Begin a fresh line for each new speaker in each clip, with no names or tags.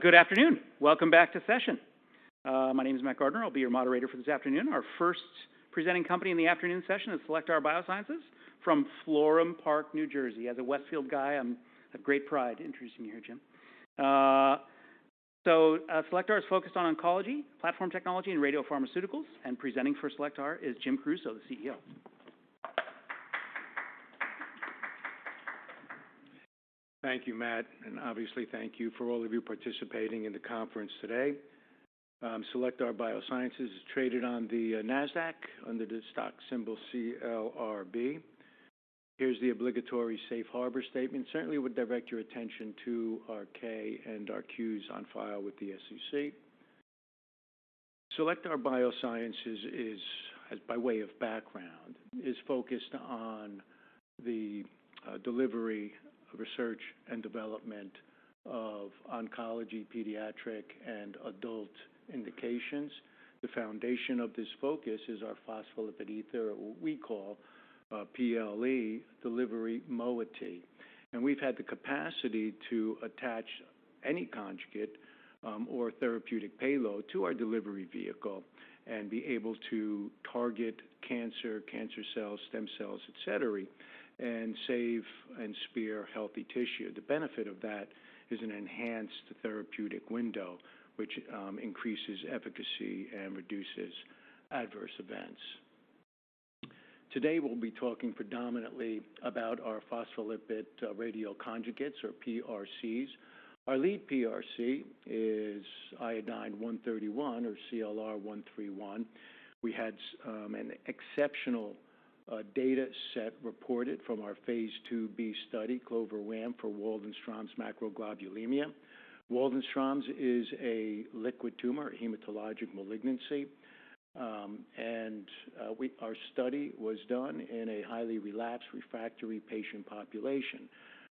Good afternoon. Welcome back to session. My name is Matt Gardner. I'll be your moderator for this afternoon. Our first presenting company in the afternoon session is Cellectar Biosciences from Florham Park, New Jersey. As a Westfield guy, I have great pride introducing you here, Jim. Cellectar is focused on oncology, platform technology, and radiopharmaceuticals, and presenting for Cellectar is Jim Caruso, the CEO.
Thank you, Matt. Obviously, thank you for all of you participating in the conference today. Cellectar Biosciences is traded on the NASDAQ under the stock symbol CLRB. Here's the obligatory safe harbor statement. Certainly, I would direct your attention to our K and our Qs on file with the SEC. Cellectar Biosciences, by way of background, is focused on the delivery, research, and development of oncology, pediatric, and adult indications. The foundation of this focus is our phospholipid ether, or what we call PLE, delivery moiety. We've had the capacity to attach any conjugate or therapeutic payload to our delivery vehicle and be able to target cancer, cancer cells, stem cells, et cetera, and save and spare healthy tissue. The benefit of that is an enhanced therapeutic window, which increases efficacy and reduces adverse events. Today, we'll be talking predominantly about our phospholipid radioconjugates, or PRCs. Our lead PRC is iodine-131, or CLR 131. We had an exceptional data set reported from our phase 2b study, CLOVER-WaM, for Waldenstrom's macroglobulinemia. Waldenstrom's is a liquid tumor, a hematologic malignancy. Our study was done in a highly relapsed, refractory patient population.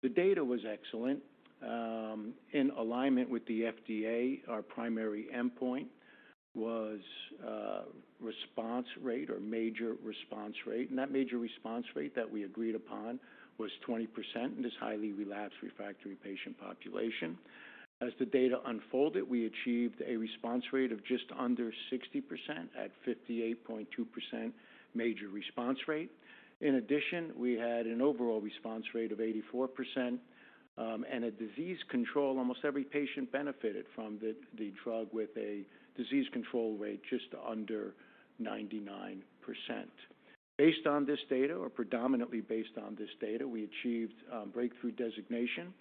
The data was excellent. In alignment with the FDA, our primary endpoint was response rate, or major response rate. That major response rate that we agreed upon was 20% in this highly relapsed, refractory patient population. As the data unfolded, we achieved a response rate of just under 60% at 58.2% major response rate. In addition, we had an overall response rate of 84%. At disease control, almost every patient benefited from the drug with a disease control rate just under 99%. Based on this data, or predominantly based on this data, we achieved breakthrough designation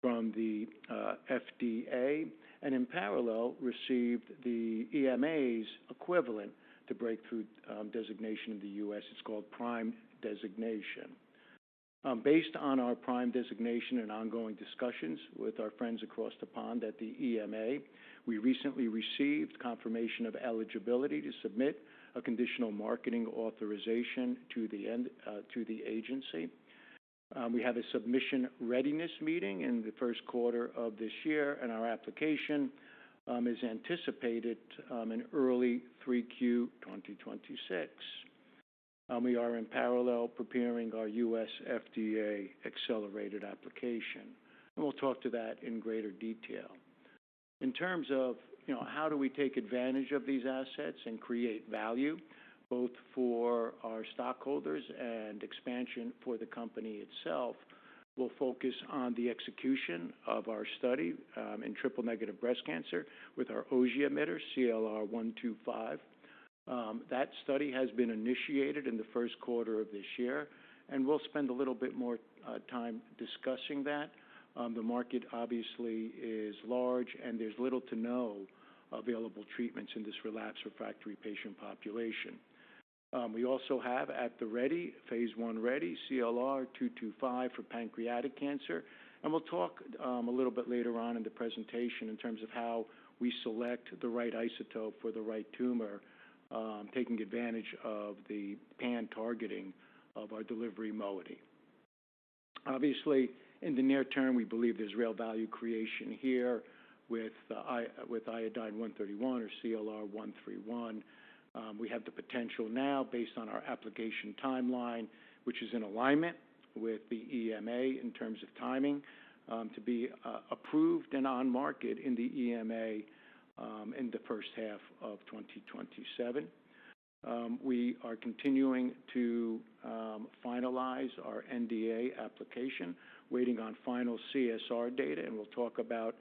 from the FDA and, in parallel, received the EMA's equivalent to breakthrough designation in the U.S. It's called PRIME designation. Based on our PRIME designation and ongoing discussions with our friends across the pond at the EMA, we recently received confirmation of eligibility to submit a conditional marketing authorization to the agency. We have a submission readiness meeting in the first quarter of this year, and our application is anticipated in early 3Q 2026. We are, in parallel, preparing our U.S. FDA accelerated application, and we'll talk to that in greater detail. In terms of how do we take advantage of these assets and create value, both for our stockholders and expansion for the company itself, we'll focus on the execution of our study in triple-negative breast cancer with our Auger emitter, CLR 125. That study has been initiated in the first quarter of this year, and we'll spend a little bit more time discussing that. The market, obviously, is large, and there's little to no available treatments in this relapsed, refractory patient population. We also have at the ready, phase 1 ready, CLR 225 for pancreatic cancer. We'll talk a little bit later on in the presentation in terms of how we select the right isotope for the right tumor, taking advantage of the pan-targeting of our delivery moiety. Obviously, in the near term, we believe there's real value creation here with iodine-131, or CLR 131. We have the potential now, based on our application timeline, which is in alignment with the EMA in terms of timing, to be approved and on the market in the EMA in the first half of 2027. We are continuing to finalize our NDA application, waiting on final CSR data, and we'll talk about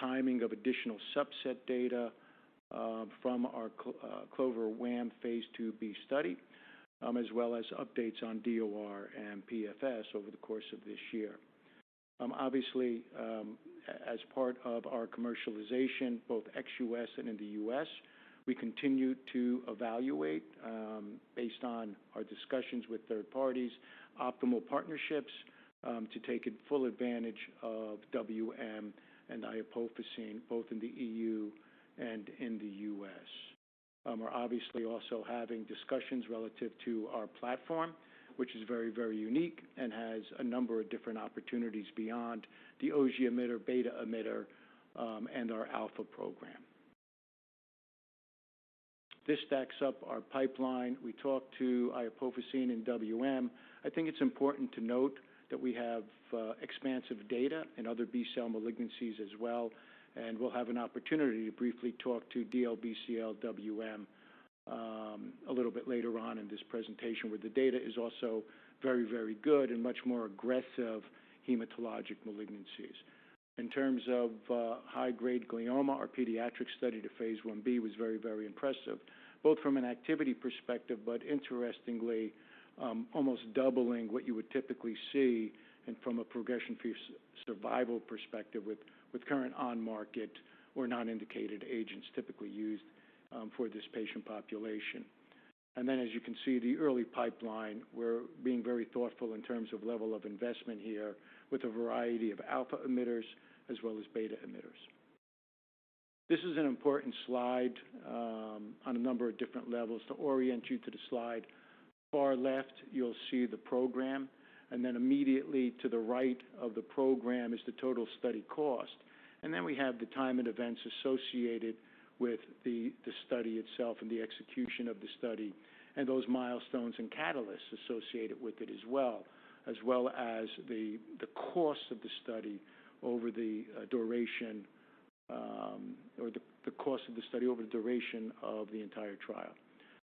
timing of additional subset data from our CLOVER-WaM phase 2B study, as well as updates on DOR and PFS over the course of this year. Obviously, as part of our commercialization, both ex-U.S. and in the U.S., we continue to evaluate, based on our discussions with third parties, optimal partnerships to take full advantage of WM and iopofosine, both in the EU and in the U.S. We're obviously also having discussions relative to our platform, which is very, very unique and has a number of different opportunities beyond the gamma emitter, beta emitter, and our alpha program. This stacks up our pipeline. We talked to iopofosine and WM. I think it's important to note that we have extensive data in other B-cell malignancies as well, and we'll have an opportunity to briefly talk to DLBCL, WM a little bit later on in this presentation, where the data is also very, very good and much more aggressive hematologic malignancies. In terms of high-grade glioma, our pediatric study to phase 1b was very, very impressive, both from an activity perspective, but interestingly, almost doubling what you would typically see from a progression-free survival perspective with current on-market or non-indicated agents typically used for this patient population. And then, as you can see, the early pipeline, we're being very thoughtful in terms of level of investment here with a variety of alpha emitters as well as beta emitters. This is an important slide on a number of different levels. To orient you to the slide, the far left, you'll see the program, and then immediately to the right of the program is the total study cost. And then we have the time and events associated with the study itself and the execution of the study and those milestones and catalysts associated with it as well, as well as the cost of the study over the duration or the cost of the study over the duration of the entire trial.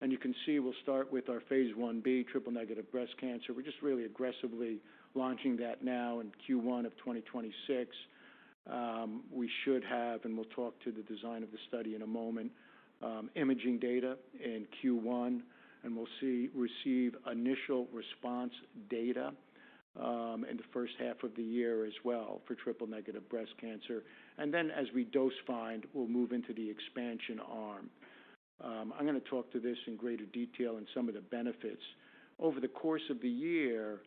And you can see we'll start with our phase 1B triple-negative breast cancer. We're just really aggressively launching that now in Q1 of 2026. We should have, and we'll talk to the design of the study in a moment, imaging data in Q1, and we'll receive initial response data in the first half of the year as well for triple-negative breast cancer. Then, as we dose find, we'll move into the expansion arm. I'm going to talk to this in greater detail and some of the benefits. Over the course of the year,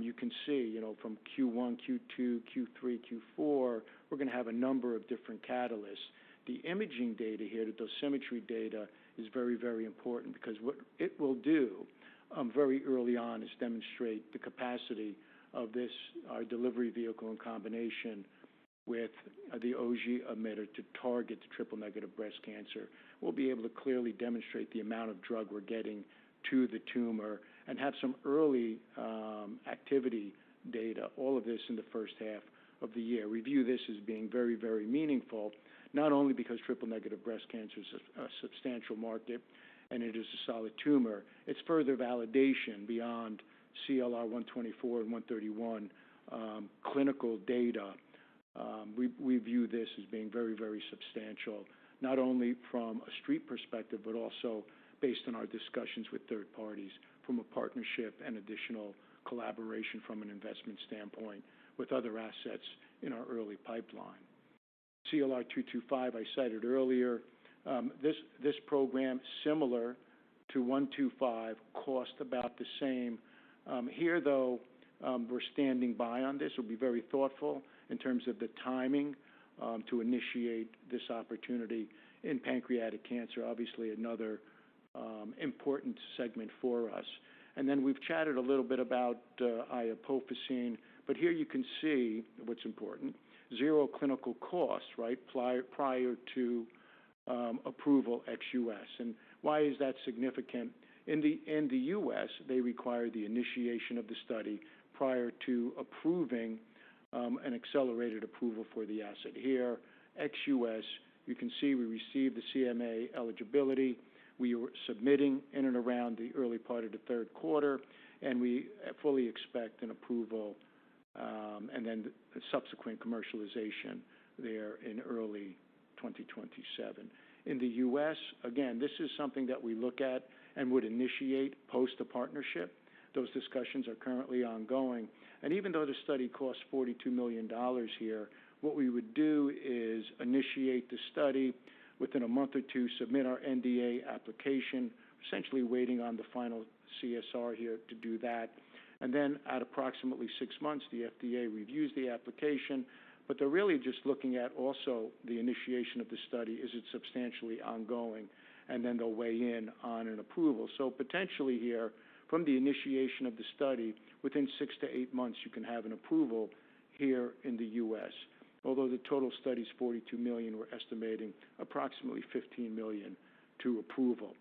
you can see from Q1, Q2, Q3, Q4, we're going to have a number of different catalysts. The imaging data here, the dosimetry data, is very, very important because what it will do very early on is demonstrate the capacity of our delivery vehicle in combination with the Auger emitter to target the triple-negative breast cancer. We'll be able to clearly demonstrate the amount of drug we're getting to the tumor and have some early activity data, all of this in the first half of the year. We view this as being very, very meaningful, not only because triple-negative breast cancer is a substantial market and it is a solid tumor, it's further validation beyond CLR 124 and 131 clinical data. We view this as being very, very substantial, not only from a street perspective, but also based on our discussions with third parties, from a partnership and additional collaboration from an investment standpoint with other assets in our early pipeline. CLR 225, I cited earlier. This program, similar to 125, costs about the same. Here, though, we're standing by on this. We'll be very thoughtful in terms of the timing to initiate this opportunity in pancreatic cancer, obviously another important segment for us. And then we've chatted a little bit about iopofosine, but here you can see what's important: zero clinical cost, right, prior to approval ex-U.S. And why is that significant? In the U.S., they require the initiation of the study prior to approving an accelerated approval for the asset. Here, ex-U.S., you can see we received the CMA eligibility. We were submitting in and around the early part of the third quarter, and we fully expect an approval and then subsequent commercialization there in early 2027. In the U.S., again, this is something that we look at and would initiate post a partnership. Those discussions are currently ongoing. And even though the study costs $42 million here, what we would do is initiate the study within a month or two, submit our NDA application, essentially waiting on the final CSR here to do that. And then, at approximately six months, the FDA reviews the application. But they're really just looking at also the initiation of the study: is it substantially ongoing? And then they'll weigh in on an approval. So potentially here, from the initiation of the study, within six to eight months, you can have an approval here in the U.S., although the total study is $42 million. We're estimating approximately $15 million to approval.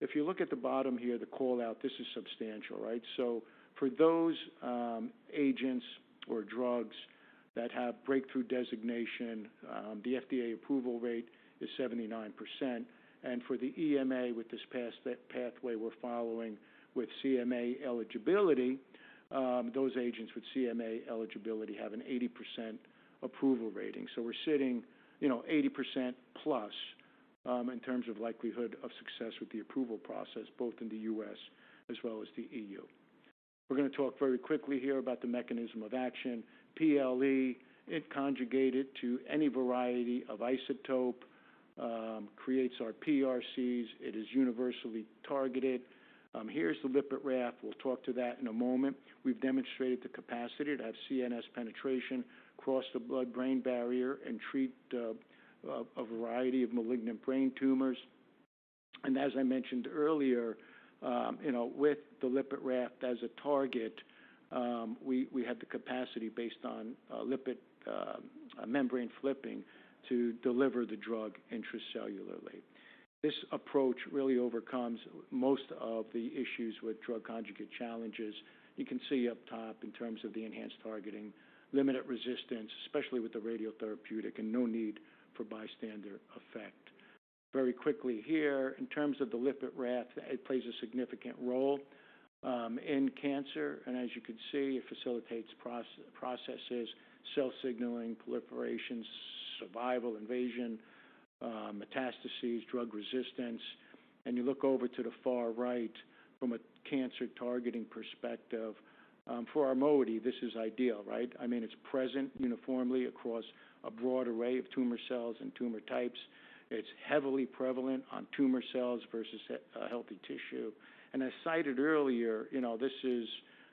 If you look at the bottom here, the callout, this is substantial, right? So for those agents or drugs that have breakthrough designation, the FDA approval rate is 79%. And for the EMA, with this pathway we're following with CMA eligibility, those agents with CMA eligibility have an 80% approval rating. So we're sitting 80%+ in terms of likelihood of success with the approval process, both in the U.S. as well as the EU. We're going to talk very quickly here about the mechanism of action. PLE, it conjugated to any variety of isotope, creates our PRCs. It is universally targeted. Here's the lipid raft. We'll talk to that in a moment. We've demonstrated the capacity to have CNS penetration across the blood-brain barrier and treat a variety of malignant brain tumors, and as I mentioned earlier, with the lipid raft as a target, we have the capacity based on lipid membrane flipping to deliver the drug intracellularly. This approach really overcomes most of the issues with drug conjugate challenges. You can see up top in terms of the enhanced targeting, limited resistance, especially with the radiotherapeutic, and no need for bystander effect. Very quickly here, in terms of the lipid raft, it plays a significant role in cancer, and as you can see, it facilitates processes, cell signaling, proliferation, survival, invasion, metastases, drug resistance, and you look over to the far right from a cancer targeting perspective, for our moiety, this is ideal, right? I mean, it's present uniformly across a broad array of tumor cells and tumor types. It's heavily prevalent on tumor cells versus healthy tissue, and as cited earlier, this is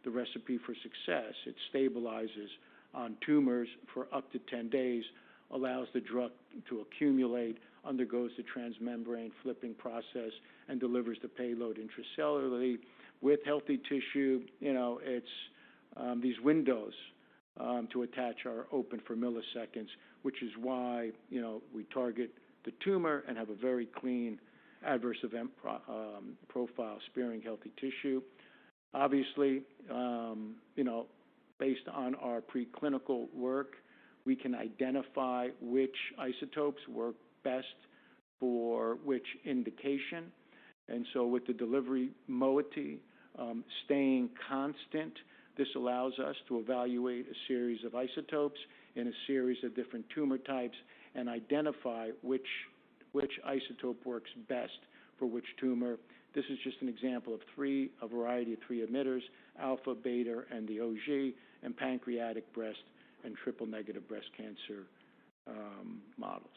the recipe for success. It stabilizes on tumors for up to 10 days, allows the drug to accumulate, undergoes the transmembrane flipping process, and delivers the payload intracellularly. With healthy tissue, it's these windows to attach are open for milliseconds, which is why we target the tumor and have a very clean adverse event profile, sparing healthy tissue. Obviously, based on our preclinical work, we can identify which isotopes work best for which indication, so with the delivery moiety staying constant, this allows us to evaluate a series of isotopes in a series of different tumor types and identify which isotope works best for which tumor. This is just an example of a variety of three emitters: alpha, beta, and Auger, and pancreatic, breast, and triple-negative breast cancer models.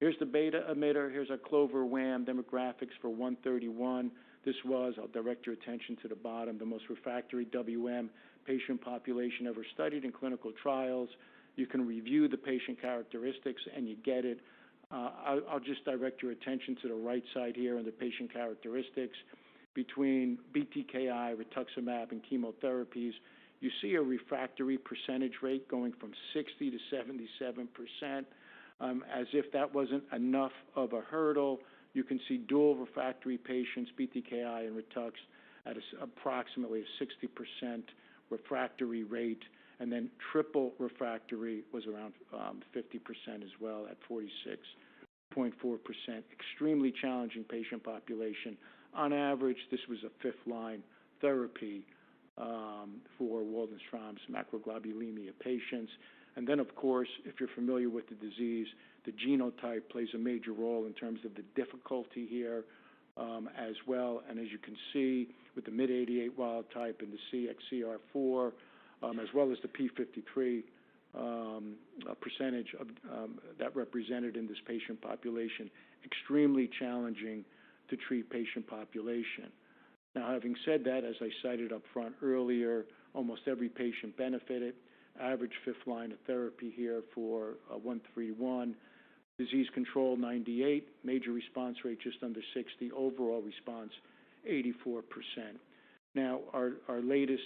Here's the beta emitter. Here's our CLOVER-WaM demographics for 131. This was. I'll direct your attention to the bottom, the most refractory WM patient population ever studied in clinical trials. You can review the patient characteristics, and you get it. I'll just direct your attention to the right side here on the patient characteristics. Between BTKI, rituximab, and chemotherapies, you see a refractory percentage rate going from 60%-77%. As if that wasn't enough of a hurdle, you can see dual refractory patients, BTKI and rituximab, at approximately a 60% refractory rate, and then triple refractory was around 50% as well at 46.2%, extremely challenging patient population. On average, this was a fifth-line therapy for Waldenstrom's macroglobulinemia patients. Then, of course, if you're familiar with the disease, the genotype plays a major role in terms of the difficulty here as well. And as you can see, with the MYD88 wild type and the CXCR4, as well as the p53 percentage that represented in this patient population, extremely challenging to treat patient population. Now, having said that, as I cited up front earlier, almost every patient benefited. Average fifth-line of therapy here for 131. Disease control 98%, major response rate just under 60%, overall response 84%. Now, our latest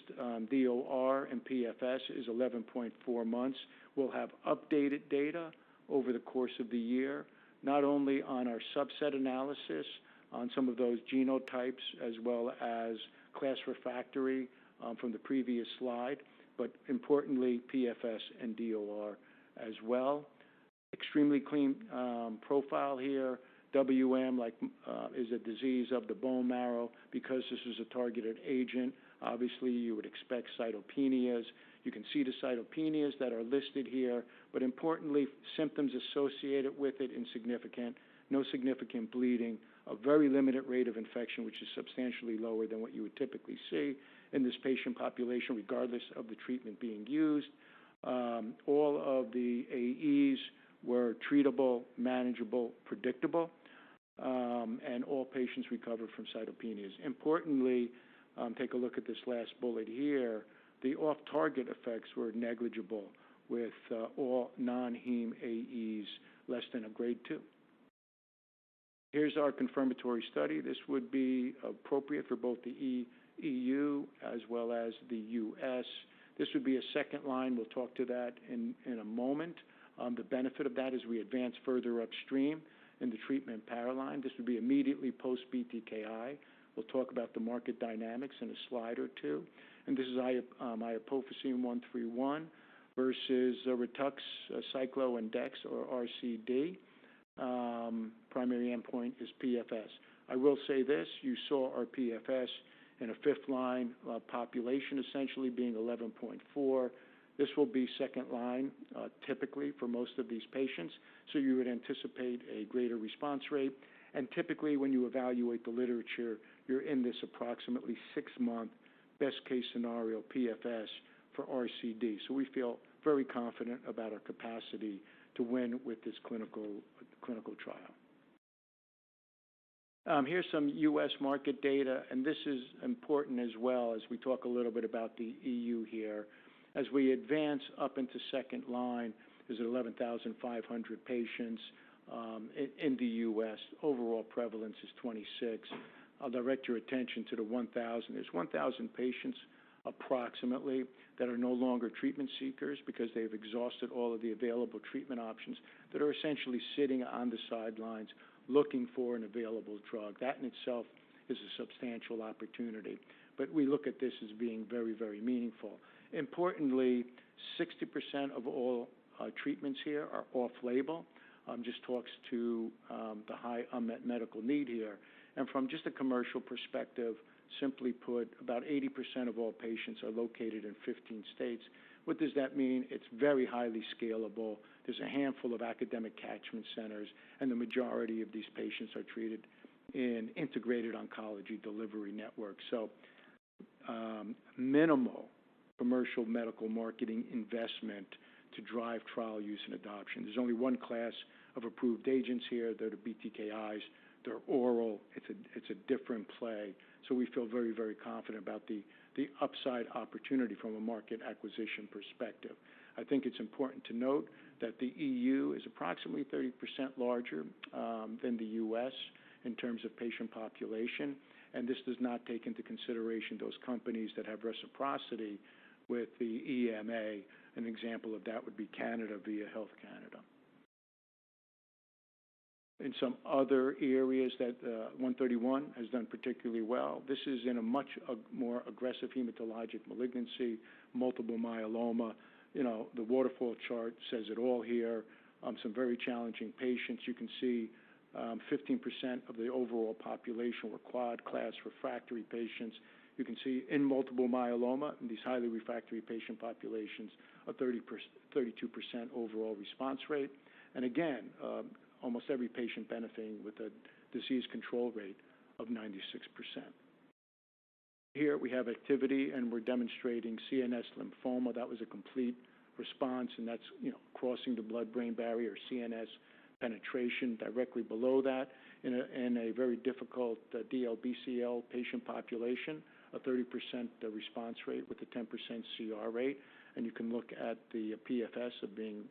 DOR and PFS is 11.4 months. We'll have updated data over the course of the year, not only on our subset analysis on some of those genotypes as well as BTK refractory from the previous slide, but importantly, PFS and DOR as well. Extremely clean profile here. WM is a disease of the bone marrow. Because this is a targeted agent, obviously you would expect cytopenias. You can see the cytopenias that are listed here, but importantly, symptoms associated with it insignificant. No significant bleeding, a very limited rate of infection, which is substantially lower than what you would typically see in this patient population regardless of the treatment being used. All of the AEs were treatable, manageable, predictable, and all patients recovered from cytopenias. Importantly, take a look at this last bullet here. The off-target effects were negligible with all non-heme AEs, less than a grade 2. Here's our confirmatory study. This would be appropriate for both the EU as well as the U.S. This would be a second line. We'll talk to that in a moment. The benefit of that is we advance further upstream in the treatment paradigm. This would be immediately post BTKI. We'll talk about the market dynamics in a slide or two. And this is iopofosine I-131 versus rituximab, cyclophosphamide or RCD. Primary endpoint is PFS. I will say this, you saw our PFS in a fifth-line population essentially being 11.4. This will be second line typically for most of these patients, so you would anticipate a greater response rate, and typically, when you evaluate the literature, you're in this approximately six-month best-case scenario PFS for RCD, so we feel very confident about our capacity to win with this clinical trial. Here's some U.S. market data, and this is important as well as we talk a little bit about the EU here. As we advance up into second line, there's 11,500 patients in the U.S. Overall prevalence is 26. I'll direct your attention to the 1,000. There's 1,000 patients approximately that are no longer treatment seekers because they've exhausted all of the available treatment options that are essentially sitting on the sidelines looking for an available drug. That in itself is a substantial opportunity. But we look at this as being very, very meaningful. Importantly, 60% of all treatments here are off-label. It just talks to the high unmet medical need here. And from just a commercial perspective, simply put, about 80% of all patients are located in 15 states. What does that mean? It's very highly scalable. There's a handful of academic catchment centers, and the majority of these patients are treated in integrated oncology delivery networks. So minimal commercial medical marketing investment to drive trial use and adoption. There's only one class of approved agents here. They're the BTKIs. They're oral. It's a different play. So we feel very, very confident about the upside opportunity from a market acquisition perspective. I think it's important to note that the EU is approximately 30% larger than the U.S. in terms of patient population. And this does not take into consideration those companies that have reciprocity with the EMA. An example of that would be Canada via Health Canada. In some other areas that 131 has done particularly well, this is in a much more aggressive hematologic malignancy, multiple myeloma. The waterfall chart says it all here. Some very challenging patients. You can see 15% of the overall population were quad class refractory patients. You can see in multiple myeloma, in these highly refractory patient populations, a 32% overall response rate. And again, almost every patient benefiting with a disease control rate of 96%. Here we have activity, and we're demonstrating CNS lymphoma. That was a complete response, and that's crossing the blood-brain barrier, CNS penetration directly below that in a very difficult DLBCL patient population, a 30% response rate with a 10% CR rate. You can look at the PFS of being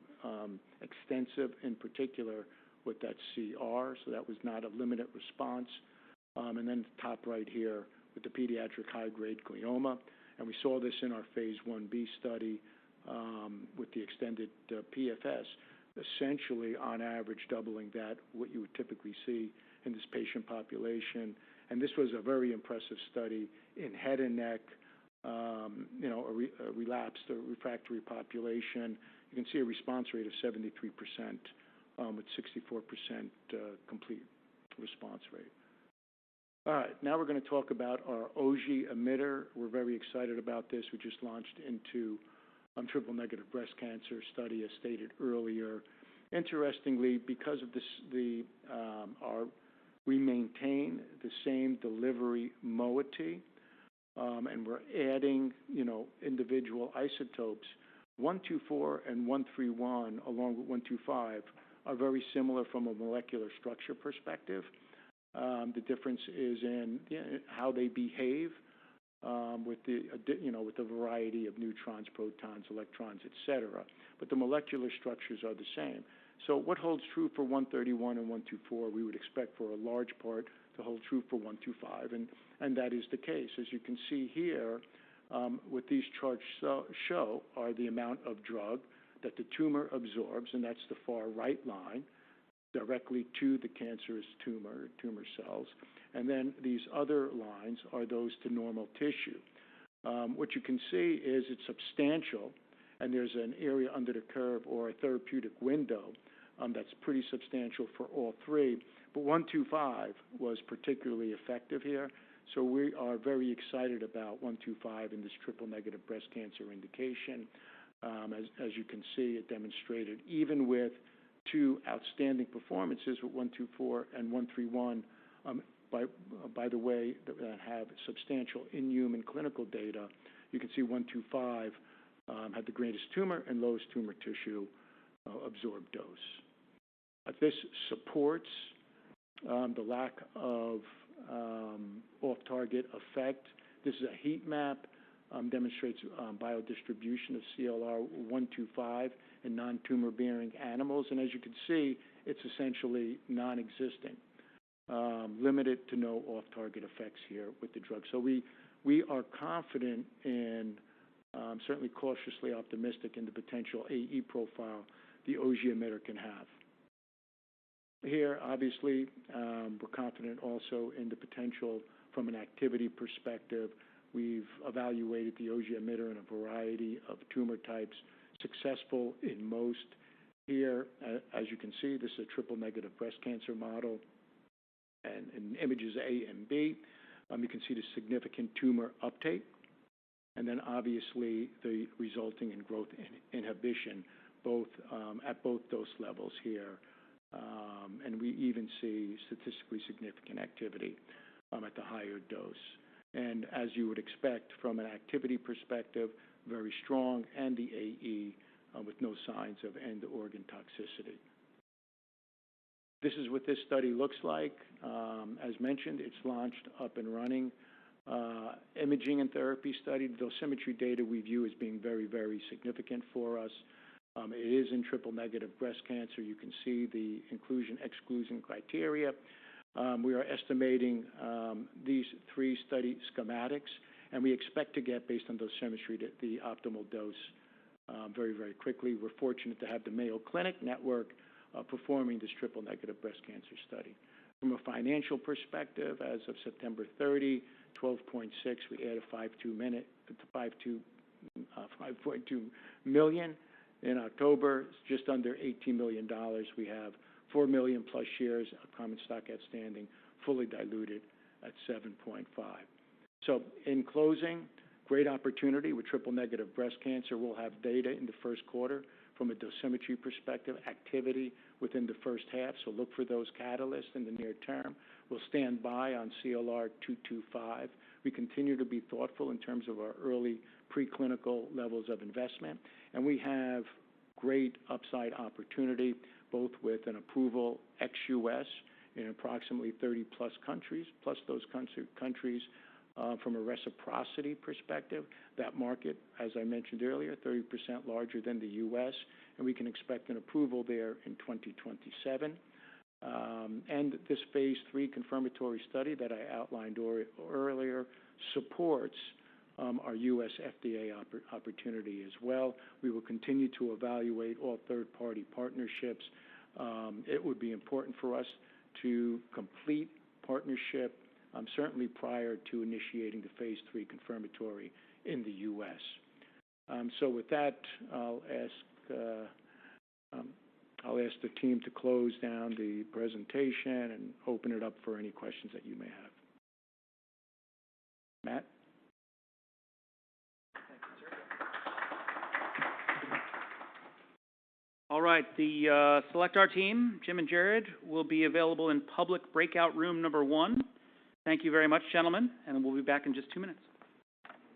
extensive, in particular with that CR. So that was not a limited response. And then the top right here with the pediatric high-grade glioma. And we saw this in our phase 1B study with the extended PFS, essentially on average doubling than what you would typically see in this patient population. And this was a very impressive study in head and neck, relapsed or refractory population. You can see a response rate of 73% with 64% complete response rate. All right. Now we're going to talk about our Auger emitter. We're very excited about this. We just launched a triple negative breast cancer study, as stated earlier. Interestingly, because of this, we maintain the same delivery moiety, and we're adding individual isotopes. 124 and 131, along with 125, are very similar from a molecular structure perspective. The difference is in how they behave with the variety of neutrons, protons, electrons, etc. But the molecular structures are the same. So what holds true for 131 and 124, we would expect for a large part to hold true for 125. And that is the case. As you can see here, what these charts show are the amount of drug that the tumor absorbs, and that's the far right line. It's directly to the cancerous tumor cells. And then these other lines are those to normal tissue. What you can see is it's substantial, and there's an area under the curve or a therapeutic window that's pretty substantial for all three. But 125 was particularly effective here. So we are very excited about 125 in this triple-negative breast cancer indication. As you can see, it demonstrated even with two outstanding performances with 124 and 131, by the way, that have substantial in-human clinical data. You can see 125 had the greatest tumor and lowest tumor tissue absorbed dose. This supports the lack of off-target effect. This is a heat map. It demonstrates biodistribution of CLR 125 in non-tumor-bearing animals. And as you can see, it's essentially nonexistent. Limited to no off-target effects here with the drug. So we are confident and certainly cautiously optimistic in the potential AE profile the Auger emitter can have. Here, obviously, we're confident also in the potential from an activity perspective. We've evaluated the Auger emitter in a variety of tumor types, successful in most. Here, as you can see, this is a triple-negative breast cancer model. And in images A and B, you can see the significant tumor uptake. And then obviously the resulting in growth inhibition at both dose levels here. And we even see statistically significant activity at the higher dose. And as you would expect from an activity perspective, very strong and the AE with no signs of end-organ toxicity. This is what this study looks like. As mentioned, it's launched up and running. Imaging and therapy study, those dosimetry data we view as being very, very significant for us. It is in triple negative breast cancer. You can see the inclusion-exclusion criteria. We are estimating these three study schematics, and we expect to get, based on those dosimetry, the optimal dose very, very quickly. We're fortunate to have the Mayo Clinic Network performing this triple negative breast cancer study. From a financial perspective, as of September 30, $12.6 million. We added $5.2 million in October. It's just under $18 million. We have four million plus shares of common stock outstanding, fully diluted at 7.5, so in closing, great opportunity with triple-negative breast cancer. We'll have data in the first quarter from a dosimetry perspective, activity within the first half, so look for those catalysts in the near term. We'll stand by on CLR 225. We continue to be thoughtful in terms of our early preclinical levels of investment, and we have great upside opportunity both with an approval ex-U.S. in approximately 30-plus countries, plus those countries from a reciprocity perspective. That market, as I mentioned earlier, 30% larger than the U.S. We can expect an approval there in 2027, and this phase three confirmatory study that I outlined earlier supports our U.S. FDA opportunity as well. We will continue to evaluate all third-party partnerships. It would be important for us to complete partnership certainly prior to initiating the phase three confirmatory in the U.S., so with that, I'll ask the team to close down the presentation and open it up for any questions that you may have. Matt.
Thank you, sir. All right. The Cellectar team, Jim and Jarrod, will be available in public breakout room number one. Thank you very much, gentlemen, and we'll be back in just two minutes.